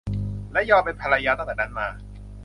และยอมเป็นภรรยาตั้งแต่นั้นมา